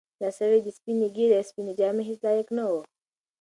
دا سړی د سپینې ږیرې او سپینې جامې هیڅ لایق نه و.